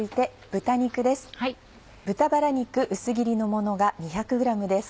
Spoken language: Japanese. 豚バラ肉薄切りのものが２００ｇです。